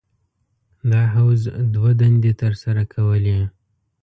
دا حوض دوه دندې تر سره کولې.